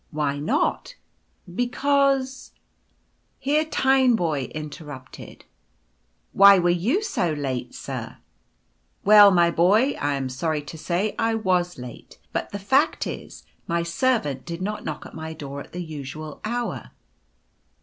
" Why not ?"•' Because'' — Here Tineboy interrupted, " Why were you so late, strr " Well, my boy, I am sorry to say I was late; but the fact is, my servant did not knock at my door at the usual hour."